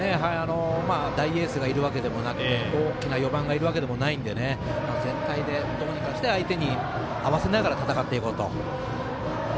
大エースがいるわけでなく大きな４番がいるわけでなく全体でどうにかして相手に合わせながら戦っていこうと。